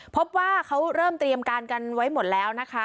พบว่าเขาเริ่มเตรียมการกันไว้หมดแล้วนะคะ